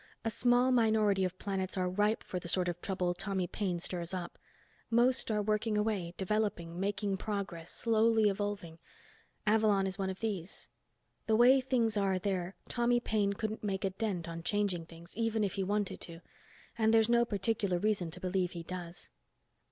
A small minority of planets are ripe for the sort of trouble Tommy Paine stirs up. Most are working away, developing, making progress, slowly evolving. Avalon is one of these. The way things are there, Tommy Paine couldn't make a dent on changing things, even if he wanted to, and there's no particular reason to believe he does."